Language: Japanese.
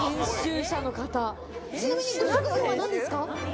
ちなみにご職業は何ですか？